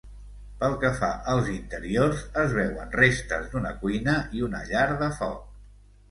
Pel que fa als interiors, es veuen restes d’una cuina i una llar de foc.